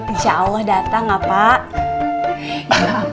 insya allah datang apa